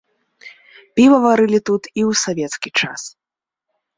Піва варылі тут і ў савецкі час.